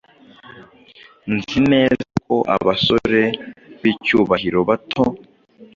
Nzi neza ko abasore bicyubahiro bato